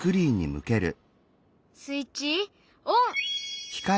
スイッチオン！